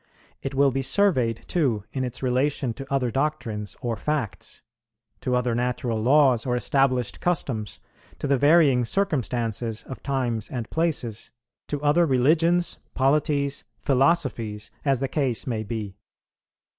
It will be surveyed too in its relation to other doctrines or facts, to other natural laws or established customs, to the varying circumstances of times and places, to other religions, polities, philosophies, as the case may be.